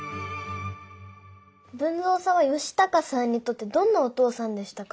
豊造さんは嘉孝さんにとってどんなお父さんでしたか？